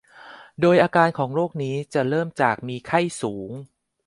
โดยอาการของโรคนี้จะเริ่มจากมีไข้สูง